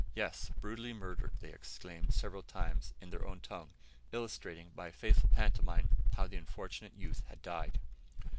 "Yes, brutally murdered!" they exclaimed several times, in their own tongue; illustrating, by a faithful pantomime, how the unfortunate youth had died.